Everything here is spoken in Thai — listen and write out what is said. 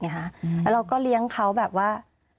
แล้วเราก็เลี้ยงเขาแบบว่า